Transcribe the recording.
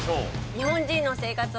日本人の生活を変えた！